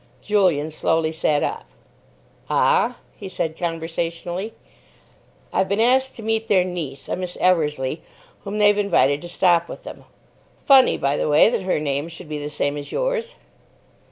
Julian slowly sat up. "Ah?" he said conversationally. "I've been asked to meet their niece, a Miss Eversleigh, whom they've invited to stop with them. Funny, by the way, that her name should be the same as yours."